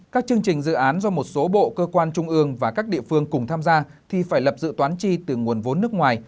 các chương trình dự án do một số bộ cơ quan trung ương và các địa phương cùng tham gia thì phải lập dự toán chi từ nguồn vốn nước ngoài